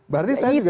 berarti saya juga